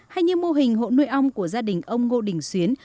hay như mô hình hộ nuôi ong của gia đình ông ngô đình xuyến